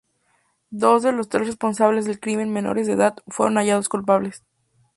Dos de los tres responsables del crimen, menores de edad, fueron hallados culpables.